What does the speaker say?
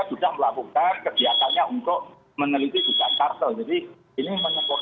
sudah melakukan kegiatannya untuk meneliti juga kartel